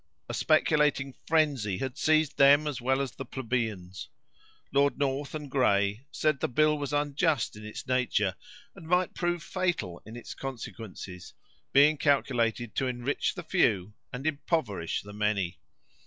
A speculating frenzy had seized them as well as the plebeians. Lord North and Grey said the bill was unjust in its nature, and might prove fatal in its consequences, being calculated to enrich the few and impoverish the many.